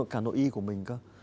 cả nội y của mình cơ